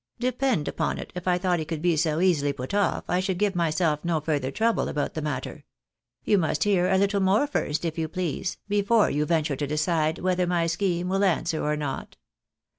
Depend upon it, if I thought he could be so easily put oif, I should give myself no further trouble about the matter. You must hear a little more first, if you please, before you venture to decide whether my scheme will answer or not.